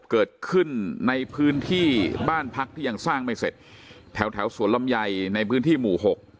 เกิดขึ้นในพื้นที่บ้านพักที่ยังสร้างไม่เสร็จแถวแถวสวนลำไยในพื้นที่หมู่หก